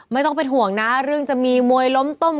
ไม่ต้องเป็นห่วงนะเรื่องจะมีมวยล้มต้ม